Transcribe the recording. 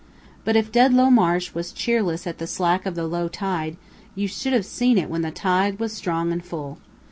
But if Dedlow Marsh was cheerless at the slack of the low tide, you should have seen it when the tide was strong and full.